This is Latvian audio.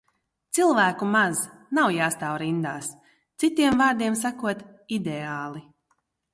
Cilvēku maz. Nav jāstāv rindās. Citiem vārdiem sakot – ideāli.